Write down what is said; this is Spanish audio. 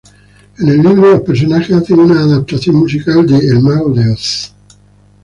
En el libro los personajes hacen una adaptación musical de "El mago de Oz".